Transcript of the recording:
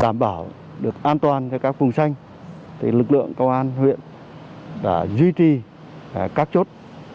đảm bảo được an toàn cho các vùng xanh lực lượng công an huyện đã duy trì các chốt